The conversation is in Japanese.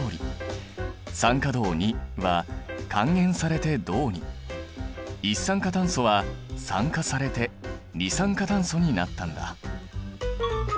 酸化銅は還元されて銅に一酸化炭素は酸化されて二酸化炭素になったんだ。